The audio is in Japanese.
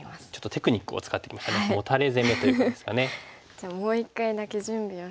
じゃあもう一回だけ準備をして。